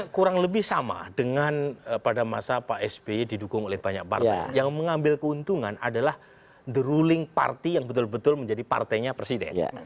kurang lebih sama dengan pada masa pak sby didukung oleh banyak partai yang mengambil keuntungan adalah the ruling party yang betul betul menjadi partainya presiden